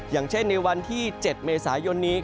อย่างเช่นในวันที่๗เมษายนนี้